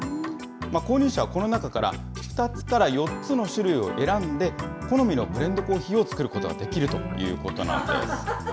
購入者はこの中から、２つから４つの種類を選んで、好みのブレンドコーヒーを作ることができるということなんです。